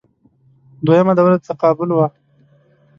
دویمه دوره د تقابل وه